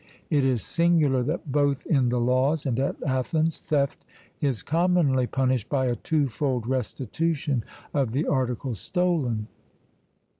It is singular that both in the Laws and at Athens theft is commonly punished by a twofold restitution of the article stolen.